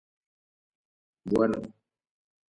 Bueno.